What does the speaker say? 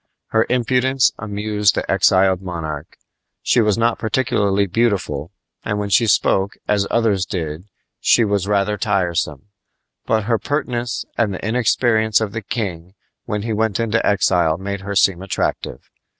Her impudence amused the exiled monarch. She was not particularly beautiful, and when she spoke as others did she was rather tiresome; but her pertness and the inexperience of the king when he went into exile made her seem attractive.